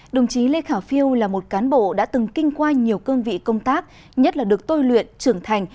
đồng chí lê khả phiêu là một cán bộ đã từng kinh qua nhiều cương vị công tác nhất là được tôi luyện trưởng thành